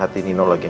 sama nino dari sini